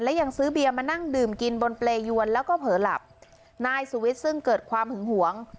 และยังซื้อเบียร์มานั่งดื่มกินบนเปรยวนแล้วก็เผลอหลับนายสุวิทย์ซึ่งเกิดความหึงหวง